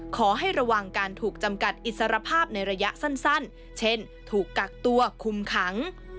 ขอให้ระวังการถูกจำกัดอิสรภาพในระยะสั้นเช่นถูกกักตัวคุมขัง